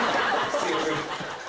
すいません。